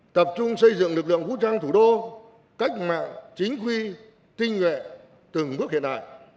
tập trung xây dựng lực lượng vũ trang thủ đô cách mạng chính quy tinh nhuệ từng bước hiện đại